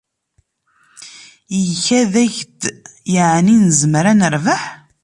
Ikad-ak-d yeɛni nezmer ad nerbeḥ?